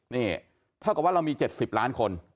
นี่เท่ากับว่าเรามี๗๐ล้านคน